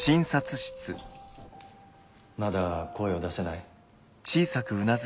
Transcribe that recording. まだ声を出せない？